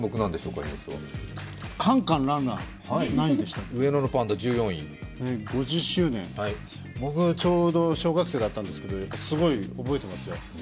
カンカン・ランラン、１４位、５０周年、僕ちょうど小学生だったんですけどすごい覚えてますよ。